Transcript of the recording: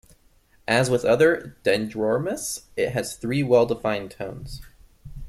As with other "Dendromus", it has three well defined toes.